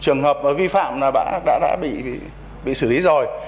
trường hợp vi phạm đã bị xử lý rồi